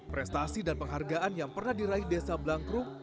prestasi dan penghargaan yang pernah diraih desa blangkrum